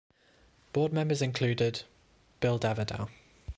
Board members included: Bill Davidow.